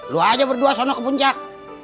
lu aja berdua sana ke puncak